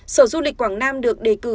sở du lịch quảng nam được đề cử